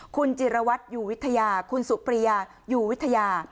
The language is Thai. คุณจิรวัตรอยู่วิทยาคุณสุปริยาอยู่วิทยา